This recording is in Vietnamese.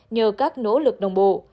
nhờ các nỗ lực đồng bộ